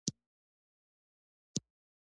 افغانستان کې د هېواد مرکز په هنر کې منعکس کېږي.